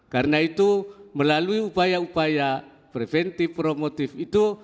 karena itu melalui upaya upaya preventif promotif itu